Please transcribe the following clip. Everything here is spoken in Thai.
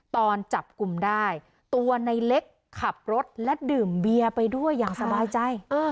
ตอนจับกลุ่มได้ตัวในเล็กขับรถและดื่มเบียร์ไปด้วยอย่างสบายใจ